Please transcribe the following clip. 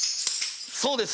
そうです。